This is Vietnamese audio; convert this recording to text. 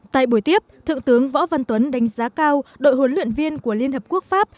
tại buổi tiếp thượng tướng võ văn tuấn đánh giá cao đội huấn luyện viên của liên hợp quốc pháp